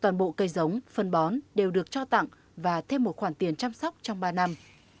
toàn bộ cây giống phân bón đều được cho tặng và thêm một khoản tiền chăm sóc trong ba năm